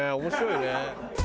面白いね。